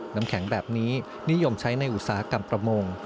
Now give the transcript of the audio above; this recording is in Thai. น้ำแข็งแบบนี้นิยมใช้ในอุตสาหกรรมประมง